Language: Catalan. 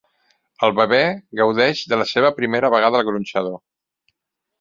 El bebè gaudeix de la seva primera vegada al gronxador.